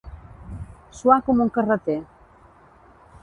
Suar com un carreter.